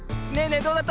どうだった？